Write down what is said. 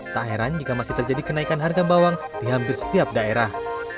tak heran jika masih terjadi kenaikan harga bawang di hampir setiap daerah